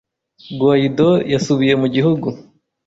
Guaidó yasubiye mu gihugu